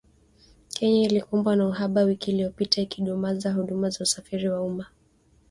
Kenya ilikumbwa na uhaba wiki iliyopita, ikidumaza huduma za usafiri wa umma